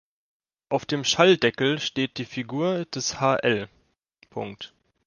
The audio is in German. Auf dem Schalldeckel steht die Figur des hl.